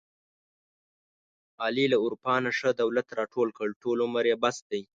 علي له اروپا نه ښه دولت راټول کړ، ټول عمر یې بس دی.